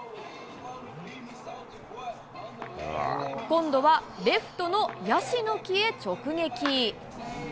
今度はレフトのヤシの木へ直撃。